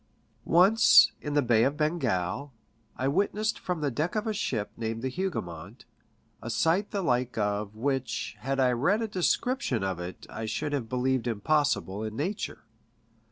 Once, in the Bay of Bengal, I witnessed from the deck of a ship naimed the Hougoumont, a sight the like of which, had I read a description of it, 1 should have believed impossible in nature.